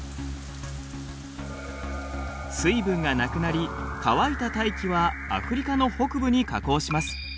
水分がなくなり乾いた大気はアフリカの北部に下降します。